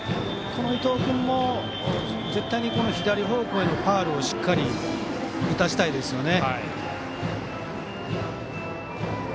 この伊藤君も絶対に左方向へのファウルをしっかり打たせたいですよね。